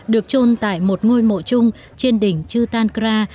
được trôn tại một ngôi mộ chung trên đỉnh chutankra